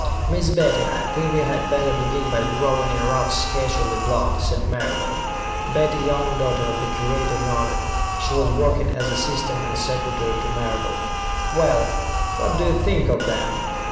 "Miss Betty, I think we had better begin by drawing a rough sketch of the block," said Marable. Betty Young, daughter of the curator, nodded. She was working as assistant and secretary to Marable. "Well what do you think of them?"